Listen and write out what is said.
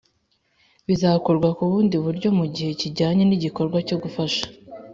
Bizakorwa ku bundi buryo mu gihe kijyanye n’igikorwa cyo gufasha